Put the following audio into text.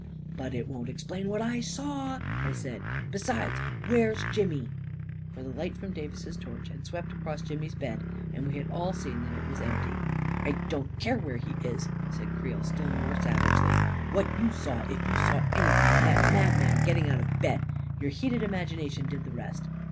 " But it won't explain what I saw! " I said. " Be sides, where's Jimmy ?" For the light from Davis's torch had swept across Jimmy's bed, and we had all seen that it was empty. " I don't care where he is !" said Creel, still more savagely. " What you saw, if you saw any thing, was that madman getting out of bed. Your heated imagination did the rest."